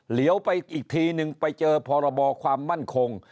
เหลียวไปอีกทีนึงไปเจอพรบความมั่นคง